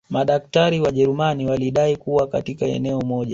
Madaktari Wajerumani walidai kuwa katika eneo moja